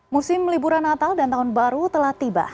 musim liburan natal dan tahun baru telah tiba